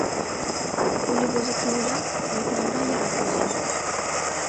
Коли возыктынеда, мый тыланда ярак возем.